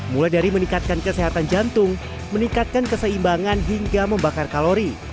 mulai dari meningkatkan kesehatan jantung meningkatkan keseimbangan hingga membakar kalori